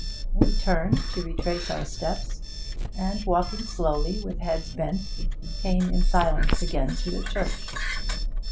We turned to retrace our steps, and walking slowly, with heads bent, came in silence again to the church.